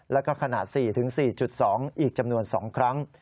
แล้วก็ขนาด๔๔๒อีกจำนวน๒ครั้ง